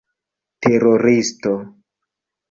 teroristo